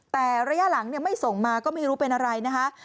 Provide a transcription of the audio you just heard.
แต่ระยะหลังไม่ส่งมาก็ไม่รู้เป็นอะไรนะคะ